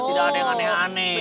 tidak ada yang aneh aneh